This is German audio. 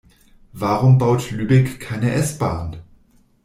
Warum baut Lübeck keine S-Bahn?